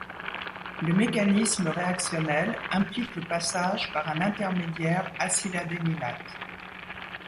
Le mécanisme réactionnel implique le passage par un intermédiaire acyladénylate.